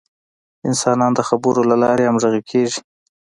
انسانان د خبرو له لارې همغږي کېږي.